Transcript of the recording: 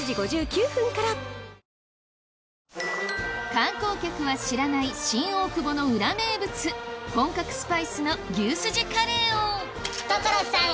観光客は知らない新大久保の裏名物本格スパイスの牛すじカレーを所さん